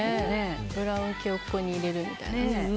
ブラウン系をここに入れるみたいな。